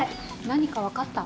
何か分かった？